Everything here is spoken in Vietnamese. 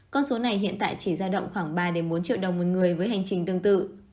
con số này hiện tại chỉ giao động khoảng ba bốn triệu đồng một người với hành trình tương tự